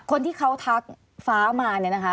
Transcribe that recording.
คนที่เขาทักฟ้ามาเนี่ยนะคะ